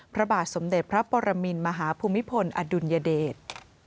พระบาทสมเด็จพระปรมินมหาภูมิพลอดุลยเดช